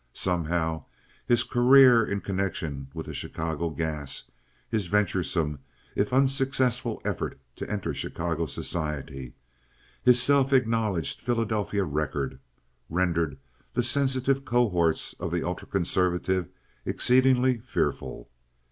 Somehow his career in connection with Chicago gas, his venturesome, if unsuccessful effort to enter Chicago society, his self acknowledged Philadelphia record, rendered the sensitive cohorts of the ultra conservative exceedingly fearful.